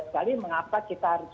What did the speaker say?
sekali mengapa kita harus